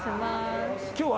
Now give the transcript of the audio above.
今日は。